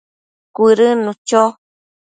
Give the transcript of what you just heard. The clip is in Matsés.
Cuëdënnu cho